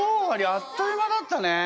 あっという間だったね。